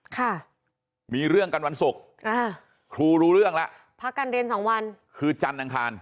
ค่ะมีเรื่องกันวันศุกร์อ่าครูรู้เรื่องแล้วพักการเรียนสองวันคือจันทร์อังคาร